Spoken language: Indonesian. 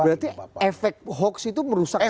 berarti efek hoax itu merusak